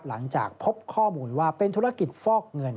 หลังจากพบข้อมูลว่าเป็นธุรกิจฟอกเงิน